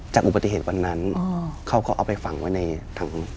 อุบัติเหตุวันนั้นเขาก็เอาไปฝังไว้ในถัง